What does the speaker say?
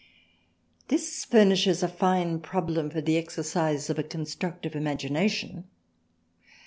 This furnishes a fine problem for the exercise of a constructive imagination.